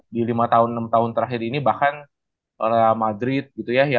di lima tahun enam tahun terakhir ini bahkan para madrid gitu ya